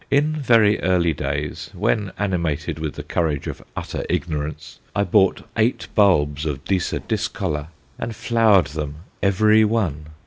In very early days, when animated with the courage of utter ignorance, I bought eight bulbs of Disa discolor, and flowered them, every one!